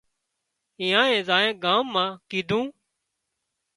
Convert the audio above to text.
ايئانئي زائين ڳام مان ڪيڌون